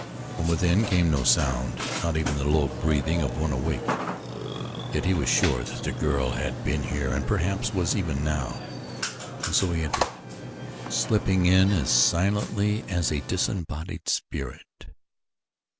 From within came no sound, not even the low breathing of one awake; yet he was sure that the girl had been here and perhaps was even now, and so he entered, slipping in as silently as a disembodied spirit.